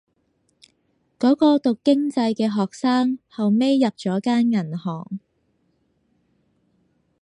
嗰個讀經濟嘅學生後尾入咗間銀行